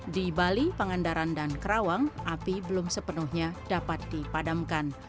di bali pangandaran dan kerawang api belum sepenuhnya dapat dipadamkan